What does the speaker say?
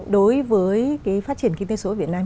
đối với phát triển kinh tế số việt nam